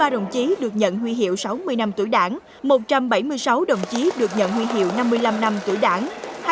ba đồng chí được nhận huy hiệu sáu mươi năm tuổi đảng một trăm bảy mươi sáu đồng chí được nhận huy hiệu năm mươi năm năm tuổi đảng